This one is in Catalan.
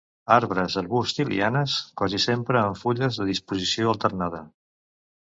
Arbres arbusts i lianes quasi sempre amb fulles de disposició alternada.